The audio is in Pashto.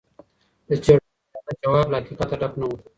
د څېړونکي شاعرانه ځواب له حقیقته ډک نه و.